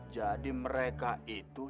jadi mereka itu